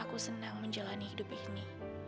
aku senang menjalani hidup ini